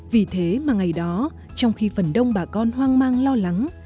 vì thế mà ngày đó trong khi phần đông bà con hoang mang lo lắng